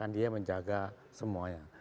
dia menjaga semuanya